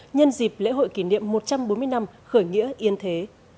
nhân dịp lễ hội kỷ niệm một trăm bốn mươi năm khởi nghĩa yên thế